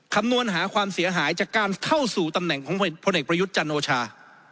คำนวณหาความเสียหายจากการเข้าสู่ตำแหน่งของพลเอกประยุทธ์จันโอชา